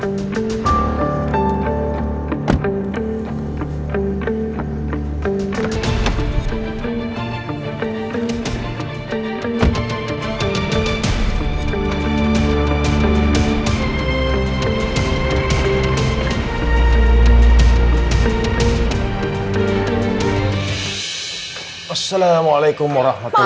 assalamualaikum warahmatullahi wabarakatuh